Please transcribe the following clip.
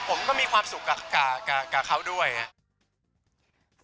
ผมก็มีความสุขกับเขาด้วยครับ